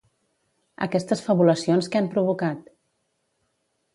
Aquestes fabulacions què han provocat?